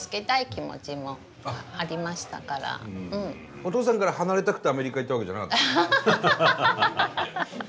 でもお父さんから離れたくてアメリカ行ったわけじゃなかった？